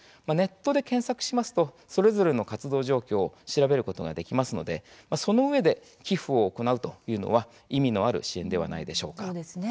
ネットで検索しますとそれぞれの活動状況を調べることができますのでそのうえで寄付を行うというのは意味のある支援ではないでしょうか。